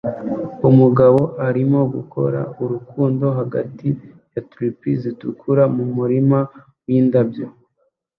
Umugabo arimo gukora urukundo hagati ya tulipi zitukura mu murima windabyo